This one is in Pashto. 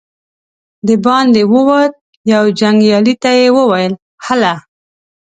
د باندې ووت، يوه جنګيالي ته يې وويل: هله!